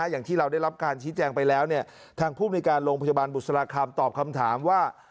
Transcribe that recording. อย่างที่เราได้รับการชี้แจงไปแล้วทางภูมิในการโรงพยาบาลบุษราคำตอบคำถามว่า